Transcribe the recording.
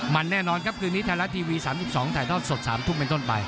มันแน่นอนครับคืนนี้ไทยรัฐทีวี๓๒ถ่ายทอดสด๓ทุ่มเป็นต้นไป